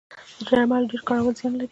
د درملو ډیر کارول زیان لري